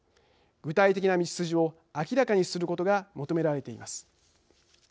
具体的な道筋を明らかにすることが求められています。